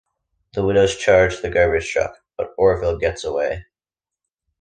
The Widows charge the garbage truck, but Orville gets away.